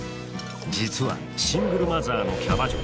実はシングルマザーのキャバ嬢。